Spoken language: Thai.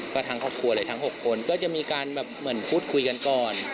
ก็ทั้งครอบครัวเลยทั้ง๖คนก็จะมีการแบบเหมือนพูดคุยกันก่อน